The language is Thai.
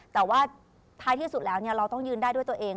แต่ว่าท้ายที่สุดแล้วเราต้องยืนได้ด้วยตัวเอง